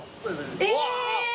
え！